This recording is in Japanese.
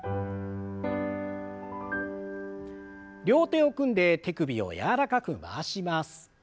両手を組んで手首を柔らかく回します。